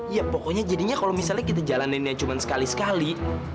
ya pokoknya jadinya kalau misalnya kita jalaninnya cuma sekali sekali